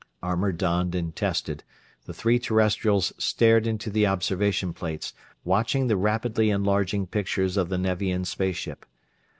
Armor donned and tested, the three Terrestrials stared into the observation plates, watching the rapidly enlarging pictures of the Nevian space ship.